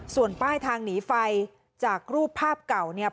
ส่วนป้ายทางหนีไฟจากรูปภาพเก่าเนี่ย